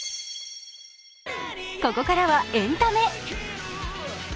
ここからはエンタメ。